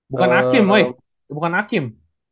bukan akim weh bukan akim